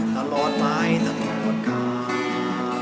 ตลอดไปทั้งหมดกาล